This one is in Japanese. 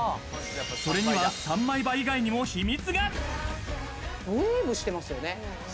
それには３枚刃以外にも秘密が。